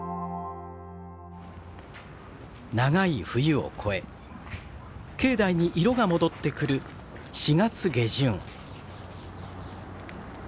長い冬を越え境内に色が戻ってくる４月下旬。